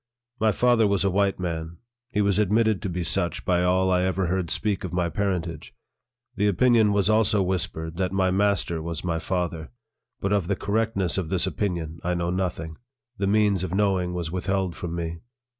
My father was a white man. He was admitted to be such by all I ever heard speak of my parentage. The opinion was also whispered that my master was my father ; but of the correctness of this opinion, I know nothing ; the means of knowing was withheld from me.